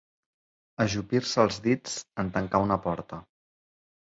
Ajupir-se els dits en tancar una porta.